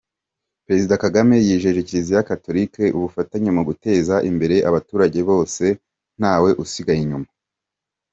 Perezida Kagame yijeje Kiliziya Gatolika ubufatanye mu guteza imbere abaturage bose ntawe usigaye inyuma.